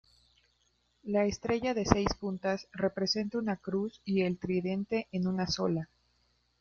La estrella de seis puntas representa una cruz y el tridente en una sola.